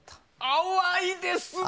淡いですね！